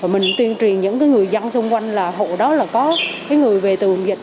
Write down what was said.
mình tuyên truyền những người dân xung quanh là hộ đó là có người về từ vùng dịch